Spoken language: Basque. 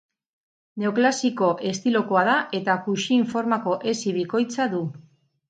Neoklasiko estilokoa da eta kuxin formako hesi bikoitza du.